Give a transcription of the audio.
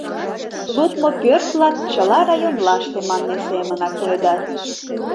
Лудмо пӧрт-влак чыла районлаште манме семынак уледат.